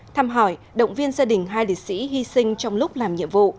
thăm hỏi động viên gia đình hai liệt sĩ hy sinh trong lúc làm nhiệm vụ